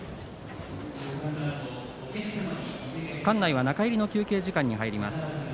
館内は中入りの休憩時間に入ります。